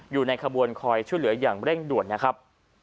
อยู่ในขบวนคอยช่วยเหลืออย่างเร่งด่วนนะครับ